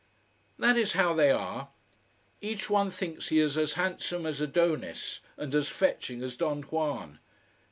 That is how they are. Each one thinks he is as handsome as Adonis, and as "fetching" as Don Juan.